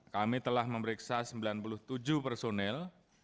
kami telah memeriksa sembilan puluh tujuh personil